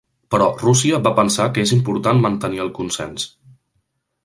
Però Rússia va pensar que és important mantenir el consens.